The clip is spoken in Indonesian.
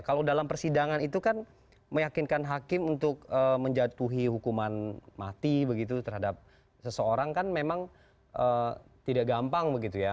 kalau dalam persidangan itu kan meyakinkan hakim untuk menjatuhi hukuman mati begitu terhadap seseorang kan memang tidak gampang begitu ya